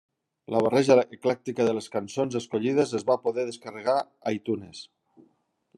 La barreja eclèctica de les cançons escollides es va poder descarregar a iTunes.